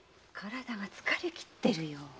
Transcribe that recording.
体が疲れきってるよ。